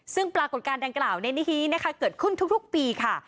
ซึ่งปรากฏการณ์ดังกล่าวในนิธินะคะเกิดขึ้นทุกปีค่ะ